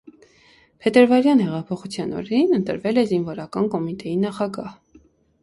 Փետրվարյան հեղափոխության օրերին ընտրվել է զինվորական կոմիտեի նախագահ։